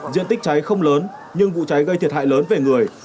diện tích cháy không lớn nhưng vụ cháy gây thiệt hại lớn về người